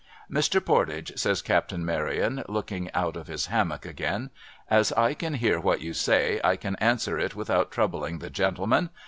Mr. Pordage,' says Captain Maryon, looking out of his hammock again, ' as I can hear what you say, I can answer it without troubling the gentleman.